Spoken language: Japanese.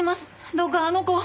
どうかあの子を。